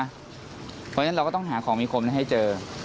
เพราะฉะนั้นเราก็ต้องหาของมีคมให้เจอ